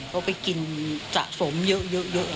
เขาไปกินจระสมเยอะเยอะ